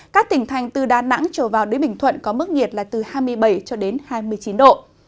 các tỉnh thành từ đà nẵng trở vào đến bình thuận có mức nhiệt là từ hai mươi bảy cho đến hai mươi chín độ